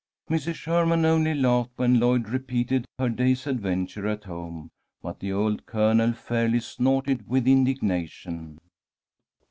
Mrs. Sherman only laughed when Lloyd repeated her day's adventure at home, but the old Colonel fairly snorted with indignation.